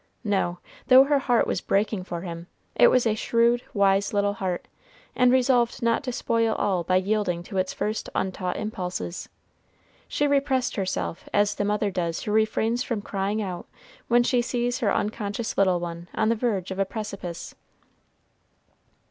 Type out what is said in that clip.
No, though her heart was breaking for him, it was a shrewd, wise little heart, and resolved not to spoil all by yielding to its first untaught impulses. She repressed herself as the mother does who refrains from crying out when she sees her unconscious little one on the verge of a precipice.